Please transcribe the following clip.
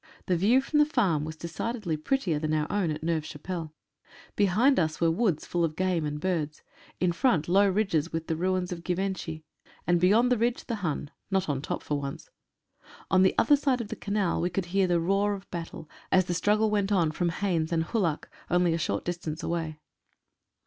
The view from the farm was decidedly prettier than our own at Neuve Chapelle. Behind us were woods full of game and birds; in front low ridges with the ruins of 3 30 WINDY CORNER AND FESTUBERT. Givenchy, and beyond the ridge the Hun — not on top for once. On the other side of the Canal we could hear the roar of battle, as the struggle went on from Haisnes and Kullach, only a short distance away.